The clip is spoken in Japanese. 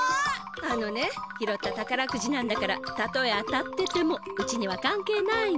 あのね拾った宝くじなんだからたとえ当たっててもうちにはかん係ないの。